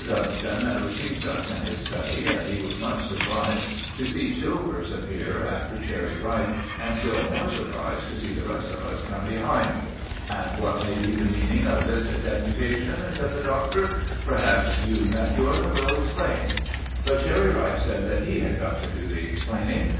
Dunstan received us in his study, and he was much surprised to see Chilvers appear after Cherry Ripe, and still more surprised to see the rest of us come behind. "And what may be the meaning of this deputation?" said the Doctor. "Perhaps you, Methuen, will explain." But Cherry Ripe said that he had come to do the explaining.